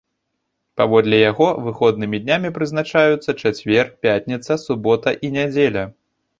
Паводле яго выходнымі днямі прызначаюцца чацвер, пятніца, субота і нядзеля.